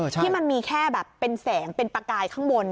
ที่มันมีแค่แบบเป็นแสงเป็นประกายข้างบน